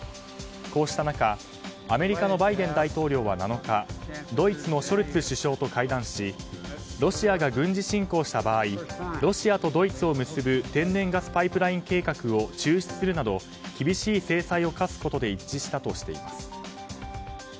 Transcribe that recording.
こうした中、アメリカのバイデン大統領は７日ドイツのショルツ首相と会談しロシアが軍事侵攻した場合ロシアとドイツを結ぶ天然ガスパイプライン計画を中止するなど厳しい制裁を科すことで一致したとしています。